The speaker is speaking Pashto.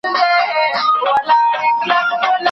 محتسب ښارته وتلی حق پر شونډو دی ګنډلی